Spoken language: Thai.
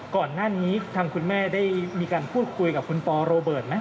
ก่อนหน้านี้ทางคุณแม่ได้มีการพูดคุยกับคุณปอโรเบิร์ตไหม